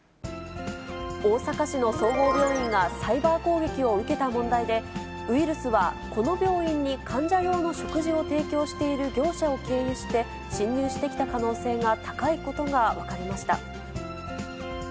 大阪市の総合病院がサイバー攻撃を受けた問題で、ウイルスはこの病院に患者用の食事を提供している業者を経由して侵入してきた可能性が高いことが分かりました。